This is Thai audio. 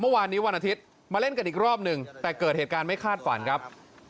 เมื่อวานนี้วันอาทิตย์มาเล่นกันอีกรอบหนึ่งแต่เกิดเหตุการณ์ไม่คาดฝันครับ